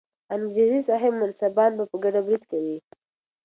انګریزي صاحب منصبان به په ګډه برید کوي.